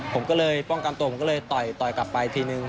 ผมก็เลยป้องกันตัวผมก็เลยต่อยกลับไปทีนึง